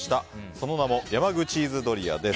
その名も山口ーズドリアです。